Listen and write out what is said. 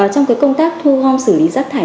trong công tác thu hong xử lý rác thải